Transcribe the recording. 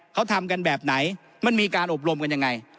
เขาทำกันแบบไหนมันมีการอบรมกันยังไง